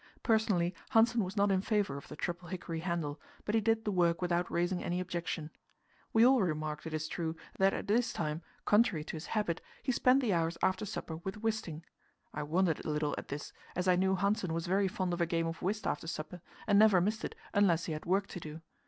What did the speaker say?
Personally, Hanssen was not in favour of the triple hickory handle, but he did the work without raising any objection. We all remarked, it is true, that at this time, contrary to his habit, he spent the hours after supper with Wisting. I wondered a little at this, as I knew Hanssen was very fond of a game of whist after supper, and never missed it unless he had work to do.